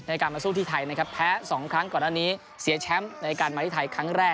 ในการมาสู้ที่ไทยนะครับแพ้สองครั้งก่อนหน้านี้